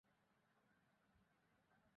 রাজা বলিলেন, কী গল্প বলিব।